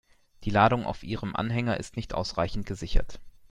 Die Ladung auf Ihrem Anhänger ist nicht ausreichend gesichert.